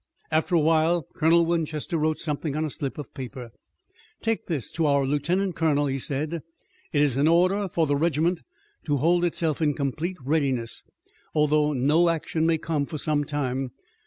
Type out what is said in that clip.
After a while Colonel Winchester wrote something on a slip of paper: "Take this to our lieutenant colonel," he said. "It is an order for the regiment to hold itself in complete readiness, although no action may come for some time.